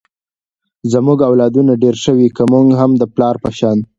زمونږ اولادونه ډېر شوي ، که مونږ هم د پلار په شان